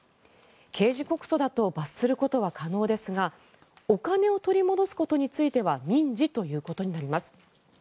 刑事告訴だと罰することは可能ですがお金を取り戻すことについては民事ということになります。